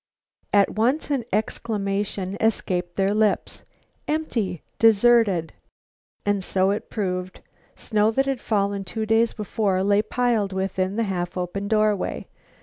At once an exclamation escaped their lips: "Empty! Deserted!" And so it proved. Snow that had fallen two days before lay piled within the half open doorway.